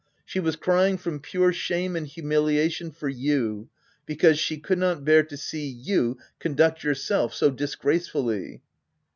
"She was crying from pure shame and humiliation for you ; because she could not bear to see you conduct yourself so disgracefully."